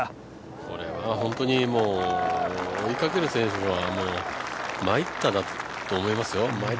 これは本当に追いかける選手はまいったなと思うと思いますよ。